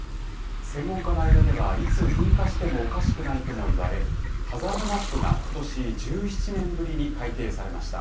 専門家の間では、いつ噴火してもおかしくないとも言われ、ハザードマップがことし１７年ぶりに改定されました。